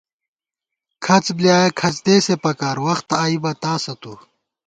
کھڅ بۡلیایَہ کھڅ دېسے پکار ، وخت آئی بہ تاسہ تُو